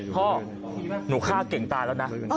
พ่อหนูฆ่าเก่งตายแล้วนะ